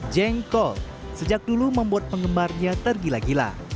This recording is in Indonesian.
jengkol sejak dulu membuat penggemarnya tergila gila